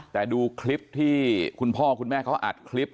แต่ดูคลิปที่คุณพ่อคุณแม่เขาอัดคลิป